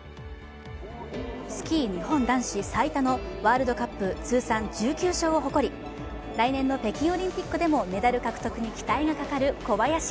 スキー日本男子最多のワールドカップ通算１９勝を誇り来年の北京オリンピックでもメダル獲得に期待がかかる小林。